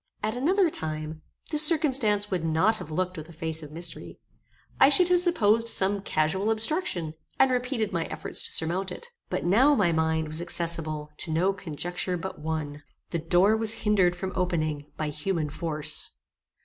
At another time, this circumstance would not have looked with a face of mystery. I should have supposed some casual obstruction, and repeated my efforts to surmount it. But now my mind was accessible to no conjecture but one. The door was hindered from opening by human force.